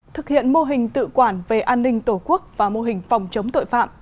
thực hiện mô hình tự quản về an ninh tổ quốc và mô hình phòng chống tội phạm